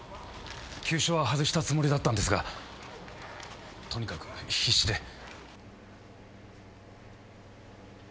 急所は外したつもりだったんですがとにかく必死で。